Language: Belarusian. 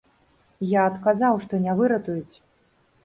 Я адказаў, што не выратуюць.